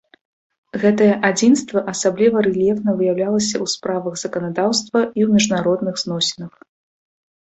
Гэтае адзінства асабліва рэльефна выяўлялася ў справах заканадаўства і ў міжнародных зносінах.